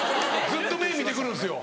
ずっと目見て来るんですよ。